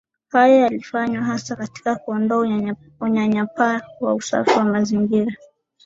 Haya yalifanywa hasa katika kuondoa unyanyapaa wa usafi wa mazingira